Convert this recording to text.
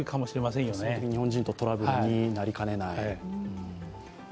そのとき日本人とトラブルになりかねない。